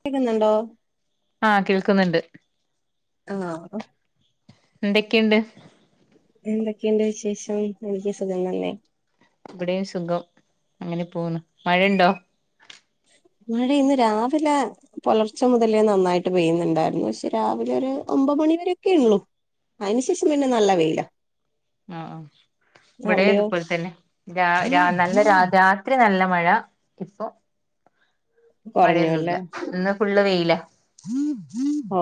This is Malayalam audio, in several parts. കേൾക്കുന്നുണ്ടോ? ആഹ് കേൾക്കുന്നുണ്ട് ആഹ് എന്തൊക്കെയുണ്ട്? എന്തൊക്കെയുണ്ട് വിശേഷം? എനിക്ക് സുഖം തന്നെ. ഇവിടെയും സുഖം അങ്ങനെ പോകുന്നു. മഴയുണ്ടോ? മഴ ഇന്ന് രാവിലാ പുലർച്ച മുതലേ നന്നായിട്ട് പെയ്യുന്നുണ്ടായിരുന്നു പക്ഷെ രാവിലെ ഒരു ഒമ്പത് മണിവരൊക്കെ ഉള്ളൂ. അതിനു ശേഷം പിന്നെ നല്ല വെയിലാ ആഹ് ആഹ് ഇവിടെ അതു അവിടെയോ പോലെ തന്നെ രാ രാ നല്ല രാ രാത്രി നല്ല മഴ ഇപ്പൊ കുറഞ്ഞു അല്ലേ മഴയൊന്നുല്ല ഇന്ന് ഫുള്ള് വെയിലാ.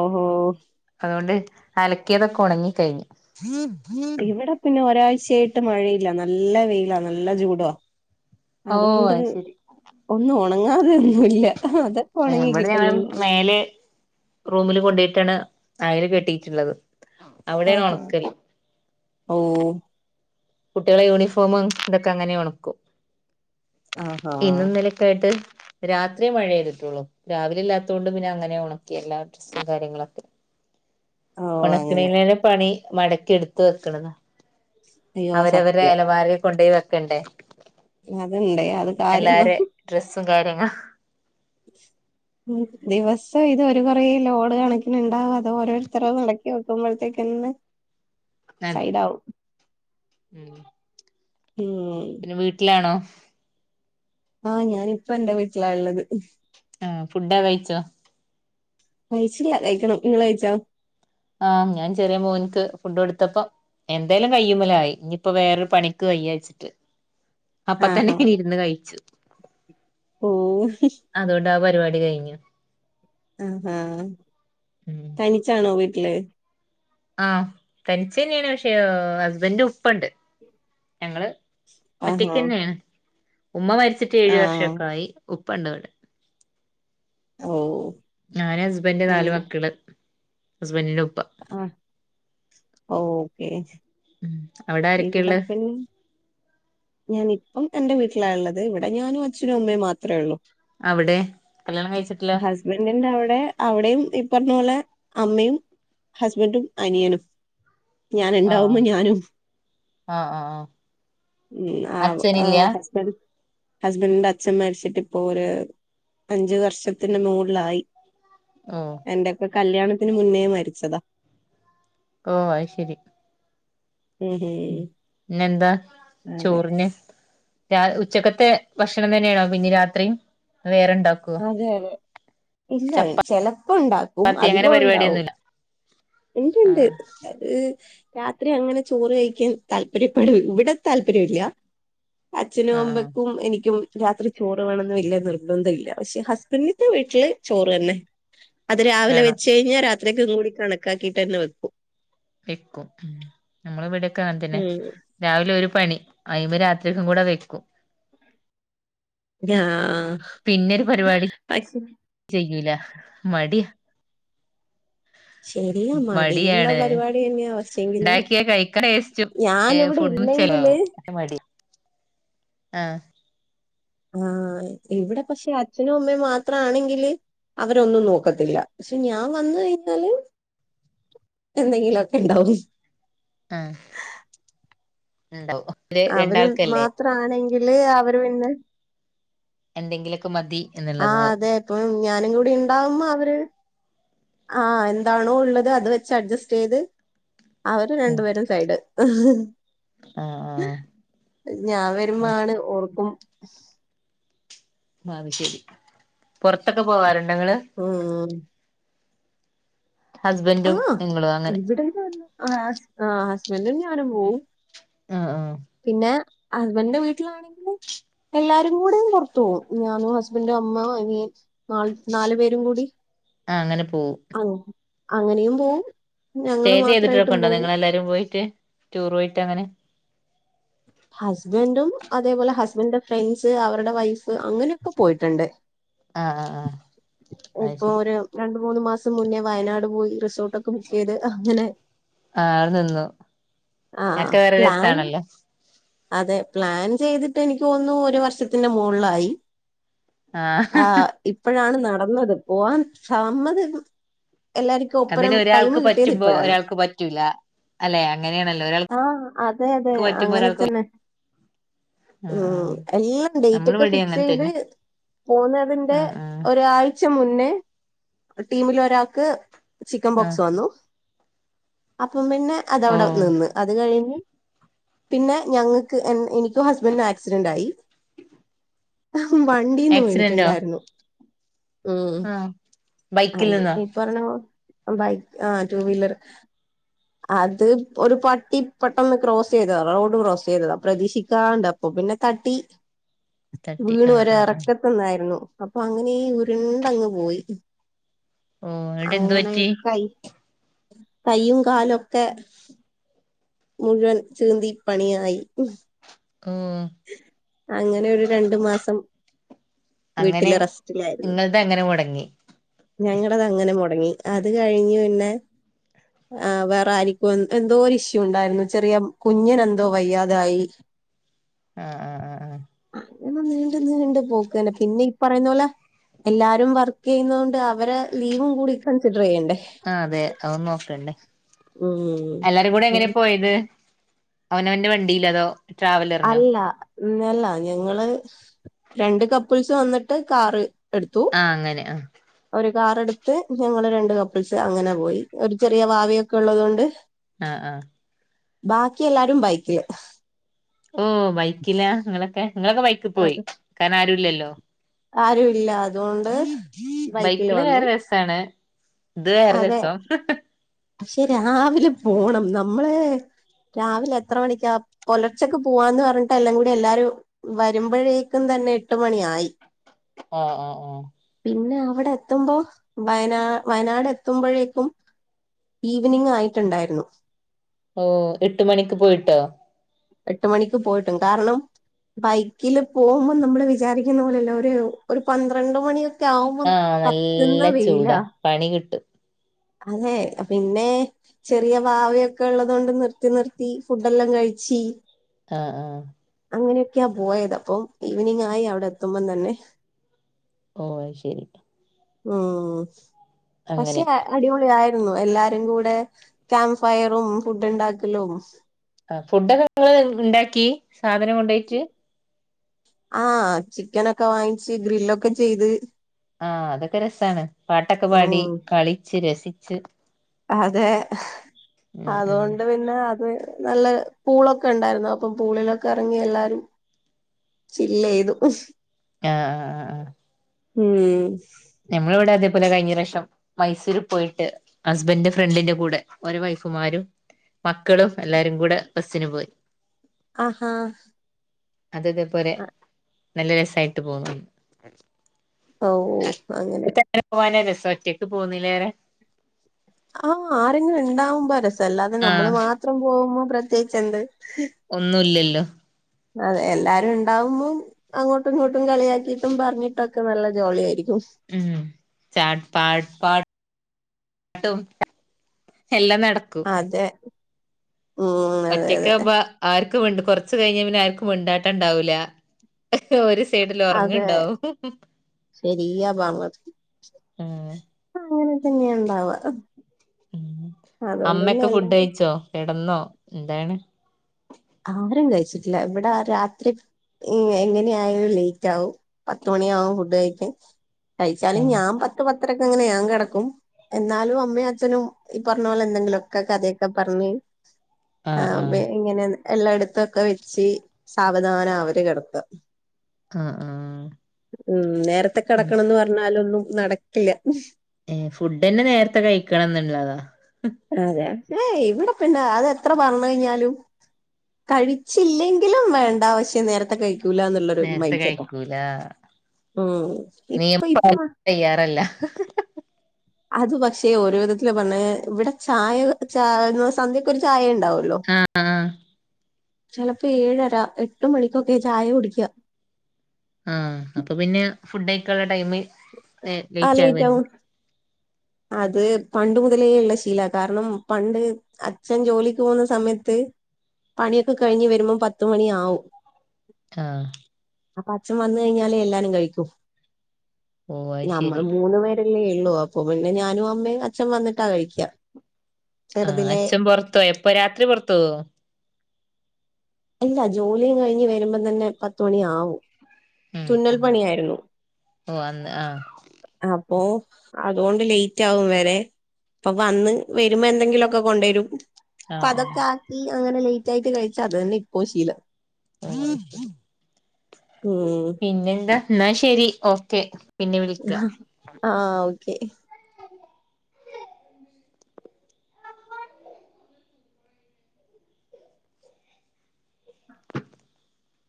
ഓഹോ അതുകൊണ്ട് അലക്കിയതൊക്കെ ഒണങ്ങി കഴിഞ്ഞു. ഇവിടെ പിന്നെ ഒരാഴ്ചയായിട്ട് മഴയില്ല നല്ല വെയിലാ നല്ല ചൂടാ ഓ അതു കൊണ്ട് അത് ശരി ഒന്നും ഒണങ്ങാതെയൊന്നുല്ല അത് ഏഹ് ഇവിടെ ഞാൻ മേലെ റൂമില് കൊണ്ടോയ്ട്ടാണ് അയല് കെട്ടീട്ടുള്ളത്. ആഹാ ഓഹ് കുട്ടികളെ യൂണിഫോമ് ഇതൊക്കെ അങ്ങനെ ഒണക്കും ആഹാ ഇന്നു ഇന്നെലെയൊക്കെ ആയിട്ട് രാത്രിയെ മഴ പെയ്തിട്ടുള്ളൂ രാവിലെ ഇല്ലാത്തത് കൊണ്ട് പിന്നെ അങ്ങനെ ഒണക്കി എല്ലാ ഡ്രസും കാര്യങ്ങളൊക്കെ. ഓ അങ്ങനെ ഒണക്കണെതിലും പണി മടക്കി എടുത്ത് വെക്കണതാ അയ്യോ അവരവരുടെ സത്യം അലമാരയിൽ കൊണ്ട് പോയി വെക്കണ്ടെ അത്ണ്ട് അത് കാര്യമാ ഡ്രസ്സും കാര്യങ്ങളും ഉം ദിവസവും ഇതൊരു കുറേ ലോഡ് കണക്കിനുണ്ടാവും അതോ ഓരോരുത്തരതു ആണ് ക്കി വെക്കുമ്പോഴത്തേക്കെന്നെ സൈഡാവും. ഉം ഊം പിന്നെ വീട്ടിലാണോ? ആഹ് ഞാൻ ഇപ്പം എന്റെ വീട്ടിലാ ഉള്ളത്. ആഹ് ഫുഡൊക്കെ കഴിച്ചോ? കഴിച്ചില്ല കഴിക്കണം നിങ്ങൾ കഴിച്ചോ? ആഹ് ഞാൻ ചെറിയ മോൻക്ക് ഫുഡ് കൊടുത്തപ്പം എന്തായാലും കയ്യുമ്മലായി ഇനിയിപ്പോ വേറൊരു പണിക്ക് വയ്യാനിച്ചിട്ട് അപ്പ തന്നെ ആഹാ ഇരുന്ന് കയിച്ചു ഓഹ് അതു കൊണ്ട് ആ പരിപാടി കയിഞ്ഞു ആഹ് ഹാ ഉം തനിച്ചാണോ വീട്ടില്? ആഹ് തനിച്ച് തന്നെയാണ് പക്ഷെ ഹസ്ബൻന്റിന്റെ ഉപ്പണ്ട്. ഞങ്ങള് ആഹാ ഒറ്റയ്ക്ക് തന്നെയാണ്, ഉമ്മ മരിച്ചിട്ട് ഏഴു ആഹ് വർഷൊക്കെ ആയി ഉപ്പണ്ട് വിടെ ഓ ഞാാന് ഹസ്ബന്ഡന്റെ നാല് അങ്ങനെ മക്കള് ഹസ്ബന്റിന്റെ ഉപ്പ ആഹ ഓക്കെ ഉം അവിടെ എവിടെ ആരൊക്കെയള്ളെ പിന്ന ഞാന ഇപ്പം എന്റെ വീട്ടിലായുള്ളത് ഇവിടെ ഞാനും അച്ഛനും അമ്മയും മാത്രമേ ഉള്ളൂ അവിടെ കല്യാണം കഴിച്ചിട്ടില്ല ഹസ്ബന്റിന്റെ അവിടെ അവിടെയും ഈ പറഞ്ഞ പോലെ അമ്മയും ഹസ്ബൻറും അനിയനും ഞാൻ ആഹ് ഉണ്ടാവുമ്പോ ഞാനും ആഹ് ആഹ് ആഹ് ഉ, അച്ഛനില്ല ആഹ് ഹസ്ബൻഡ് ഹസ്ബൻഡിന്റെ അച്ഛൻ മരിച്ചിട്ട് ഇപ്പോ ഒരു അഞ്ചു വർഷത്തിന്റെ മുകളിലായി ആഹ് എന്റെക്കെ കല്യാണത്തിന് മുന്നേ മരിച്ചതാ ഓഹ് അത് ശരി ഉം ഉം പിന്നെന്താ അതെ ചോറിന് ഉച്ചക്കത്തെ ഭക്ഷണം തന്നെയാണോ പിന്നെ രാത്രിയും വേറെണ്ടാകൊ അതെ അതെ ഇല്ല ചെലപ്പോ ഉണ്ടാക്കും, അങ്ങനെ അധികം ഉണ്ടാവും പരിപാടിയൊന്നുമില്ല ഇണ്ടിണ്ട് ആഹ് അത് രാത്രി അങ്ങനെ ചോറ് കഴിക്കാൻ താല്പര്യപ്പെട, ഇവിടെ താല്പര്യമില്ല അച്ഛനും ആഹ് ആഹ് അമ്മയ്ക്കും എനിക്കും രാത്രി ചോറ് വേണന്നും വല്യ നിർബന്ധം ഇല്ല പക്ഷെ ഹസ്ബൻഡിന്റെ വീട്ടില് ചോറ് തന്നെ, അത് രാവിലെ വേണം വെച്ച കഴിഞ്ഞാ രാ ത്രിക്കും കൂടി കണക്കാക്കിട്ട് തന്നെ വെക്കും വെക്കും, നമ്മള് ഇവിടെക്കെ അങ്ങനെ തന്നെ ഉം രാവിലെ ഒരു പണി അയ്മ രാത്രിക്കും കൂടെ വെക്കും രാ പിന്നെരു പരിപാടി ചെയ്യൂല മടി ശരിയാ മടിയുള്ള മടിയാണ് പരിപാടി തന്നെയാ പക്ഷെങ്കില് ഉണ്ടാക്കിയ കഴിക്ക ഏഹ് ഞാനിവിടെ ഫുഡും ഇല്ലെങ്കില് ചെലവും അ മടി ആഹ് ആഹ് ഇവിടെ പക്ഷെ അച്ഛനും അമ്മയും മാത്ര ആണെങ്കില് അവരൊന്നും നോക്കത്തില്ല പക്ഷെ ഞാൻ വന്ന് കഴിഞ്ഞാല് എന്തെങ്കിലൊക്കെ ഉണ്ടാവും ആഹ് ഉണ്ടാവും ഒരു അവര് രണ്ടാൾക്കല്ലേ മാത്ര ആണെങ്കില് അവര് പിന്നെ എന്തെങ്കിലൊക്കെ മതി ആഹ് എന്നുള്ളതാവും അതെ ഇപ്പൊ ഞാനും കൂടി ഉണ്ടാവുമ്പോ അവര് ആഹ് എന്താണോ ഉള്ളത് അത് വെച്ച് അഡ്ജസ്റ്റ് ചെയ്ത് അവര് ഉം രണ്ടുപേരും സൈഡ് ആഹ് ഞാൻ ആഹ് അത് വരുമ്പോ ആണ് ശരി ഓർക്കും അ അത്‌ ശരി പുറത്തൊക്കെ പോവാറുണ്ടോങ്ങൾ ഉം ഹസ്ബൻഡും ആഹ് നിങ്ങളും അങ്ങനെ ഇവിടെ ആ ഹസ്ബൻഡും ഞാനും പോവും ആഹ് ആഹ് പിന്നെ ഹസ്ബൻഡന്റെ വീട്ടിലാണെങ്കില് എല്ലാരും കൂടെയും പുറത്തു പോവും, ഞാനും ഹസ്ബൻഡും അമ്മ അനിയൻ നാൾ നാലു പേരും കൂടി ആഹ് അങ്ങനെ പോവും അങ്ങ് അങ്ങനെയും പോവും സ്റ്റേ ഞങ്ങള് ചെയ്തിട്ടൊക്കെ മാത്രായിട്ടും ഉണ്ടോ പോവും. നിങ്ങെല്ലാരും പോയിട്ട് ടൂർ പോയിട്ട് അങ്ങനെ ഹസ്ബൻഡും അതേപോലെ ഹസ്ബൻഡന്റെ ഫ്രണ്ട്സ് അവരുടെ വൈഫ് അങ്ങനെയൊക്കെ പോയിട്ടുണ്ട് ആഹ് ആഹ് ആഹ് അത് ഇപ്പൊ ശരി ഒരു രണ്ട് മൂന്ന് മാസം മുന്നേ വയനാട് പോയി റിസോർട്ടൊ ക്കെബുക്കേയ്ത് അഹ്ങ്ങനെ ആഹ് അവിടെ നിന്നു ആ അതൊക്കെ വേറെ പ്ലാന് രസാണല്ലോ അതെ പ്ലാൻ ചെയ്തിട്ട് എനിക്കോന്ന്ണു ഒരു വർഷത്തിന്റെ മോളിലായി ആഹ് ഇപ്പഴാണ് നടന്നത് പോവാൻ സമ്മതം എല്ലാരും ക്കൊപ്പരം അതിന് ടൈമ് ഒരാൾക്ക് കിട്ടിയത് പറ്റുമ്പോ ഇപ്പഴാണ് ഒരാൾക്ക് പറ്റൂല അല്ലെ അങ്ങനെയാണല്ലോ ഒരാൾക്ക് ആഹ്‌ അതെ അതെ പറ്റുമ്പോ അങ്ങനെ ഒരാൾക്ക് തന്നെ ആഹ് ഉം ആഹ് അയ്യേ നമ്മള് ഡേയ്റ്റൊക്കെ ഇവിടേം അങ്ങനെ ഫിക്സെയ്ത് തന്നെ പോന്നതിന്റെ ആഹ് ആഹ് ഒരാഴ് ച്ചമുന്നേ ടീമിലൊരാക്ക് ചിക്കൻ ആഹ് ബോക്സ് വന്നു അപ്പം പിന്നെ അതവടെ ഓഹ് നിന്ന് അത് കഴിഞ്ഞ് പിന്നെ ഞങ്ങക്ക് എൻ ഇനിക്കും ഹസ്ബന്ഡിനും ആക്സിഡന്റായി ആഹ്‌ വണ്ടിന്ന് ആക്സിഡന്റോ വീണിട്ടുണ്ടാരുന്നു ഉം ആഹ് ബൈക്കിൽ നിന്നോ അതെ പറഞ്ഞോ ബൈക്ക് ആഹ് ടു വീലർ അത് ഒരു പട്ടി പ്പെട്ടന്ന് ക്രോസ് ചെയ്തതാ റോഡ് ക്രോസ് ചെയ്തത പ്രതീക്ഷിക്കാണ്ട് അപ്പൊ പിന്നെ തട്ടി തട്ടി വീണു ആഹ് ഒര് ആഹ് ആഹ് എറക്ക തന്നായിരുന്നു അപ്പൊ അങ്ങനേ ഉരുണ്ടങ്ങ് പോയി ഓഹ് എന്നിട്ട് എന്ത് അങ്ങനെ പറ്റി കൈ കൈയും കാലൊക്കെ മുഴുവൻ ചീന്തി പണിയായി ആഹ്‌ അങ്ങനെയൊരു രണ്ട് മാസം അങ്ങനെ വീട്ടില് റെസ്റ്റിലായിരുന്നു ഇങ്ങളത് അങ്ങനെ മുടങ്ങി ഞങ്ങടതങ്ങനെ മൊടങ്ങി അത് കഴിഞ്ഞ് പിന്നെ ആഹ് വേറെ ആരിക്കോ എന്തോ ഒര് ഇഷ്യൂ ണ്ടായിരുന്നു ചെറിയ കുഞ്ഞിനെന്തോ വയ്യാതായി ആഹ് ആഹ് ആഹ് ആഹ് അങ്ങന നീണ്ട നീണ്ട് പോക്കന്നെ പിന്ന പ്പറയുന്നോലെ എല്ലാരും വർക്കെയ്ന്നോണ്ട് അവരെ ലീവും കൂടി കൺസിഡറെയ്യണ്ടേ ആഹ് അതെ അഉം ന്നോക്കണ്ടേ ഉം എല്ലാരും കൂടെ എങ്ങനെ പോയത് അവനവന്റെ വണ്ടിയിലതോ അല്ല എല്ല ഞങ്ങള് രണ്ട് കപ്പിൾസ് വന്നിട്ട് കാറ് എടുത്തു ആഹ് അങ്ങനെ ആഹ് ഒരു കാറെടുത്ത് ഞങ്ങള് രണ്ട് കപ്പിൾസ് അങ്ങന പോയി. ഒരു ചെറിയ വാവയൊക്കെ ഉള്ളതോണ്ട് ആഹ്‌ ആഹ്‌ ബാക്കിയെല്ലാരും ബൈക്കില് ഓഹ് ബൈക്കില ങ്ങളൊക്കെ ങ്ങളൊക്കെ ബൈക്കിപ്പോയി കാരണാരുല്ലല്ലോ ആരുല്ലാ ബൈക്കില് വേറെ രസാണ് ഇത് വേറെ രസം വക്ഷെ രാവിലെ പോണം നമ്മള് രാവിലെ എത്ര മണിക്കാ പൊലർച്ചക്ക് പോവാന്ന് പറഞ്ഞിട്ട് എല്ലാം കൂടി എല്ലാരും വരുമ്പോഴേക്കും തന്നെ എട്ട് മണിയായി. ഓഹ് ഓഹ് ഓഹ് പിന്നെ അവടെ എത്തുമ്പോ വയനാ വയനാട് എത്ത് ത്തുമ്പഴേക്കും ഈവനിങ്ങായിട്ട്ണ്ടായിരുന്നു ഓഹ് എട്ട് മണിക്ക് പോയിട്ടോ? എട്ട് മണിക്ക് പോയിട്ടും കാരണം ബൈക്കില് പോകുമ്പം നമ്മള് വിചാരിക്കുന്ന പോലെയല്ല. ഒര് ഒരു പന്ത്രണ്ട് മണിയോ ക്കെ ആ ആവുമ്പോം നല്ല കത്ത്ന്ന ചൂടാ വെയിലാ പണി കിട്ടും അതെ പിന്നെ ചെറിയ വാവയൊക്കെള്ളത് കൊണ്ട് നിർത്തി നിർത്തി ഫുഡ് എല്ലാം കഴിച്ചി. ആഹ് ആഹ് അങ്ങനെയൊക്കെയാ പോയത്. അപ്പോ ഈവനിങ് ആയി അവിടെ എത്തുമ്പം തന്നെ. ഓഹ് അയ്ശെരി. ഉം അങ്ങനെ പക്ഷേ അടിപൊളിയായിരുന്നു. എല്ലാരും കൂടെ ക്യാമ്പ് ഫയറും ഫുഡിണ്ടാക്കലും. ആഹ് ഫുഡൊക്കെ ഇങ്ങള് ഇണ്ടാക്കി സാധനം കൊണ്ടോയിട്ട്. ആഹ് ചിക്കനൊക്കെ വാങ്ങിച്ച് ഗ്രില്ലൊക്കെ ചെയ്ത്. ആഹ് അതൊക്കെ രസാണ്. പാട്ടൊക്കെ പാടി ഉം കളിച്ച് രസിച്ച്. അതെ ഉം ഉം അതോണ്ട് പിന്നെ അത്. നല്ല പൂളൊക്കെണ്ടായിരുന്നു. അപ്പ പൂളിലൊക്കെ എറങ്ങി എല്ലാരും. ചില്ലെയ്തു. ആഹ് ആഹ് ആഹ് ആഹ് ഉം നമ്മളെ ഇവിടെ അതേപോലെ കഴിഞ്ഞപ്രാവശ്യം മൈസൂരിൽ പോയിട്ട്, ഹസ്ബൻഡിന്റെ ഫ്രണ്ടിന്റെ കൂടെ ഓരെ വൈഫുമാരും. മക്കളും എല്ലാരും കൂടെ ബസ്സിന് പോയി. ആഹ് അത് ഇതേപ്പോലെ നല്ല രസായിട്ട് പോന്നു. ആവ്വോ [unintelligible] പോവാനാ രസം. ഒറ്റയ്ക്ക് പോകുന്നതിലേറെ. ആഹ് ആരെങ്കിലു ഇണ്ടാവുമ്പാ രസം. അല്ലാതെ നമ്മള് ആഹ് മാത്രം പോകുമ്പോ പ്രത്യേകിച്ച് എന്ത്? ഒന്നുല്ലല്ലോ? അതെ എല്ലാരും ഇണ്ടാവുമ്പം അങ്ങോട്ടും ഇങ്ങോട്ടും കളിയാക്കിട്ടും പറഞ്ഞിട്ടൊ ക്ക നല്ല ജോളിയായിരിക്കും. ഉം ചാട്ട് പാട്ട് പാട്ട്. ട്ടും എല്ലാം നട അതെ. ഉം അതെ അതെ ഒറ്റയ്ക്കാവുമ്പ ആർക്കും മിണ്ട് കൊറച്ച് കയ്ഞ്ഞ പിന്നെ ആർക്കും മിണ്ടാട്ടണ്ടാവൂല്ല. ഓര്. സൈഡിൽ അതെ ഒറങ്ങ്ണ്ടാവും. ശരിയാ ഉം. അത് അങ്ങനെ തന്നെയാ ഇണ്ടാവാ. ഉം അമ്മയോക്കെ എല്ലാ ഫുഡയിച്ചോ? കെടന്നോ? എന്താണ്? ആരും കഴിച്ചിട്ടില്ല. ഇവടെ രാത്രി. ഈഹ് എങ്ങനെയായാലും ലേറ്റ് ആവും. പത്തുമണിയാവും ഫുഡ് കയിക്കാൻ. കയിച്ചാലും ആഹ് ഞാൻ പത്ത് പത്തരക്കങ്ങനെ ഞാൻ കെടക്കും. എന്നാലും അമ്മയും അച്ഛനും ഈ പറഞ്ഞ പോലെ എന്തെങ്കിലൊക്കെ കഥയൊക്കെ പറഞ്ഞ്. ആ ആഹ് ആഹ് ഇങ്ങനെ എല്ലായിടത്തു ഒക്കെ വെച്ച് സാവധാന അവര് കെടക്ക. ആഹ് ആഹ് ഉം നേരത്തെ അയ്ശ് കെടക്കണംന്ന് പറഞ്ഞാലൊന്നും നടക്കില്ല. ഫുഡ് തന്നെ നേരത്തെ കഴിക്കണം എന്ന് ഉള്ളതാ അതെ ഏയ് ഇവിടെ പിന്നെ അത് എത്ര പറഞ്ഞ് കഴിഞ്ഞാലും- കഴിച്ചില്ലെങ്കിലും വേണ്ട പക്ഷേ നേരത്തെ കഴി- കഴിക്കുലാന്നുള്ള ഒരു നേരത്തെ മൈൻഡ് സെറ്റാ കഴിക്കൂല ഉം ഇപ്പ നിയമം ഇപ്പ. പാലിക്കാൻ തയ്യാറല്ല. അത് പക്ഷെ ഓരോ വിധത്തില് പറഞ്ഞ് ഇവിടെ ചായ ചായ സന്ധ്യക്കൊരു ചായയിണ്ടാവും ളു ആഹ് ആഹ് [unintelligible] ചെലപ്പോ ഏഴര എട്ട് മണിക്കൊക്കെ ചായ കുടിക്ക ആ അപ്പൊ പിന്നെ ഫുഡ്‌ കയിക്കാ നുള്ള ടൈമ് ആ ലേറ്റ് ആവ ആകും അത് പണ്ട് മുതലേ ഉള്ള ശീലവ കാരണം പണ്ട്- അച്ഛൻ ജോലിക്ക് പോകുന്ന സമയത്ത്- പണിയൊക്കെ കഴിഞ്ഞ് വരുമ്പോ പത്ത്മണിയാവും. ആഹ് അപ്പ അച്ഛൻ വന്ന് കഴിഞ്ഞാലേ എല്ലാരും കഴിക്കും ഓഹ് അത് നമ്മള് ശരി മൂന്ന് പേ ഇ ല്ലേ ഉള്ളൂ അപ്പൊ പിന്നെ ഞാനും അമ്മയും അച്ഛൻ വന്നിട്ടാ കഴിക്കാ ആഹ് അച്ഛൻ പൊറത്തു പോയി അപ്പൊ രാത്രി പൊറത്തു പോവുവോ ഇല്ല ജോലിയും കഴിഞ്ഞ് വരുമ്പം തന്നെ പത്തുമണിയാവും ഉം തുന്നൽ പണിയായിരുന്നു ഓഹ് അന്ന് ആഹ് അപ്പൊ അതുകൊണ്ട് ലേറ്റ് ആകും വരെ- അപ്പൊ വന്ന് വരുമ്പോ എന്തെങ്കിലുംയൊക്കെ കൊണ്ടുവരും ഇപ്പ ആഹ് ആഹ് അതൊക്കെ ആക്കി അങ്ങനെ ലേറ്റ് ആയിട്ട് കഴിച്ചാ അത് തന്നെയാ ഇപ്പോം ശീലം ഉം പിന്നെന്താ എന്നാ ശരി ഓക്കെ പിന്നെ വിളിക്കാം ആഹ് ഓക്കെ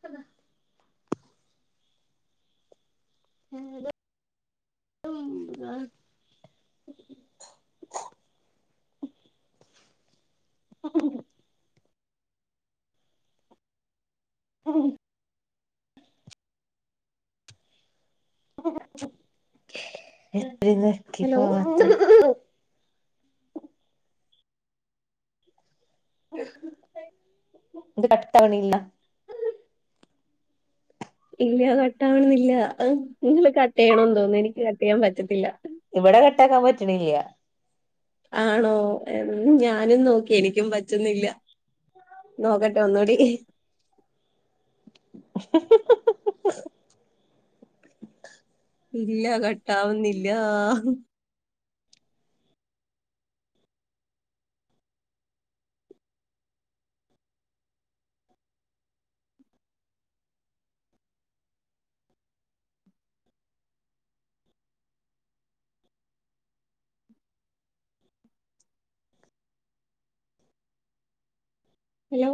അതെ [unintelligible] [unintelligible] [inaudible] ഉം ഉം ഉം [inaudible] ഉം. [unintelligible] എത്താത് നെക്കി ഹലോ പോവാത്തെ [unintelligible] ഇത് കട്ടാവണില്ല ഇല്ല കട്ട് ആവണന്നില്ല അത് ഇങ്ങള് കട്ട് ചെയ്യണന്ന് തോന്നുന്നു എനിക്ക് കട്ട് ചെയ്യാൻ പറ്റത്തില്ല ഇവിടെ കട്ടാക്കാൻ പറ്റണില്ല ആണോ ഞാനും നോക്കി എനിക്കും പറ്റുന്നില്ല നോക്കട്ടെ ഒന്നുകൂടി [inaudible] ഇല്ല കട്ടാവുന്നില്ല ഹലോ